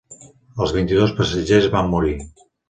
Els vint-i-dos passatgers van morir.